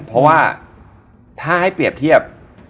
เพราะว่าถ้าให้เปรียบเทียบ